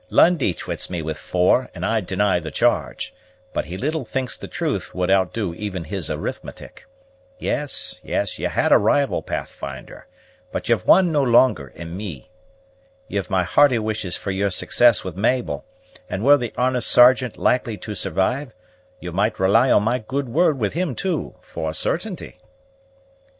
Lundie twits me with four, and I deny the charge; but he little thinks the truth would outdo even his arithmetic. Yes, yes, ye had a rival, Pathfinder; but ye've one no longer in me. Ye've my hearty wishes for yer success with Mabel; and were the honest Sergeant likely to survive, ye might rely on my good word with him, too, for a certainty."